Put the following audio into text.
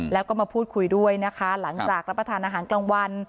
และมาพูดคุยด้วยหลังจากรับประธานอาหารกลางวัน